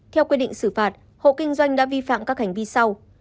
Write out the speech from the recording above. theo quy định xử phạt hộ kinh doanh đã vi phạm các hành vi sau